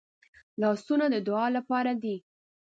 لاسونه د دعا لپاره دي